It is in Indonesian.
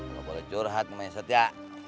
kalau boleh curhat kemahnya setia